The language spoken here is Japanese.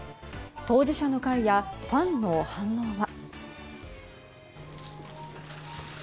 当事者の会やファンの反応は。